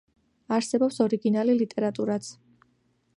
არსებობს ორიგინალი ლიტერატურაც.